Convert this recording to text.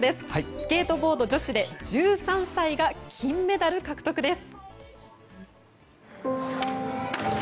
スケートボード女子で１３歳が金メダル獲得です。